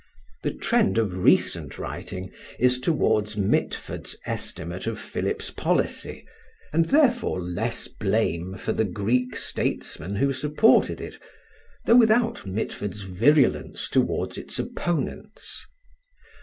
The trend of recent writing is toward Mitford's estimate of Philip's policy, and therefore less blame for the Greek statesmen who supported it, though without Mitford's virulence toward its opponents.